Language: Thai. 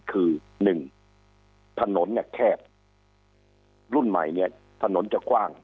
คือหนึ่งถนนเนี่ยแคบรุ่นใหม่เนี่ยถนนจะกว้าง